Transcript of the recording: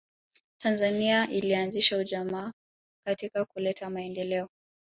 tanzania ilianzisha ujamaa katika kuleta maendeleo